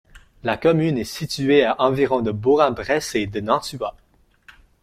La commune est située à environ de Bourg-en-Bresse et de Nantua.